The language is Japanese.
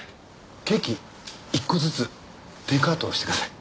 ケーキ１個ずつテイクアウトしてください。